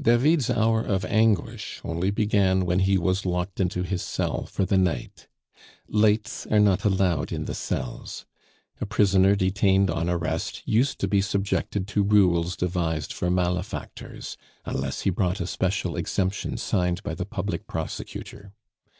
David's hour of anguish only began when he was locked into his cell for the night. Lights are not allowed in the cells. A prisoner detained on arrest used to be subjected to rules devised for malefactors, unless he brought a special exemption signed by the public prosecutor.